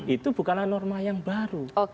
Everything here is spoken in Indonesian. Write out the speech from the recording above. itu bukanlah norma yang baru